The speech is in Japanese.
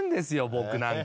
僕なんか。